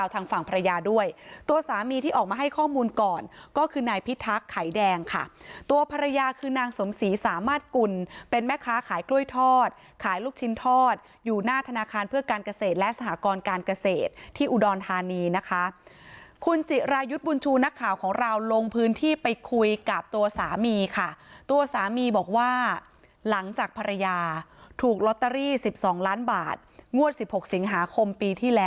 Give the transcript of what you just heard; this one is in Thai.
ทักไข่แดงค่ะตัวภรรยาคืนนางสมศรีสามารถกุลเป็นแม่ค้าขายกล้วยทอดขายลูกชิ้นทอดอยู่หน้าธนาคารเพื่อการเกษตรและสหกรการเกษตรที่อุดรธานีนะคะคุณจิรายุทธ์บุญชูนักข่าวของเราลงพื้นที่ไปคุยกับตัวสามีค่ะตัวสามีบอกว่าหลังจากภรรยาถูกลอตเตอรี่๑๒ล้านบาทงวด๑๖สิงหาคมป